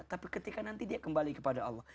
tapi ketika nanti dia kembali kepada allah